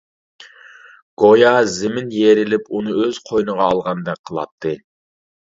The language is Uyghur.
گويا زېمىن يېرىلىپ ئۇنى ئۆز قوينىغا ئالغاندەك قىلاتتى.